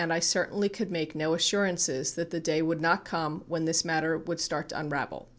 1 certainly could make no assurances that the day would not come when this mat ter would start to unravel."